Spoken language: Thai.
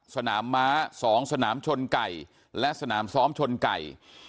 สนามม้า๒สนามชนไก่และสนามซ้อมชนไก่